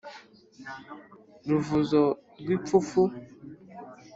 ruvuzo rw’ipfupfu